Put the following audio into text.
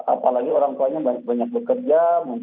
apalagi orang tuanya banyak bekerja mungkin kerja ke ladang nyadar gitu